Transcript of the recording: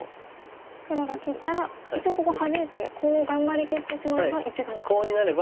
黒が切ったら一応ここハジいてコウを頑張りきってしまえば１眼できると。